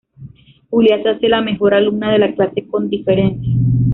Julia se hace la mejor alumna de la clase con diferencia.